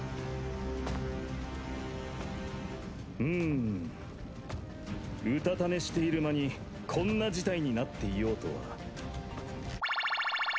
「うん」「うたた寝している間にこんな事態になっていようとは」